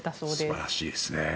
素晴らしいですね。